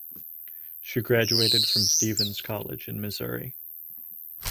She graduated from Stephens College in Missouri.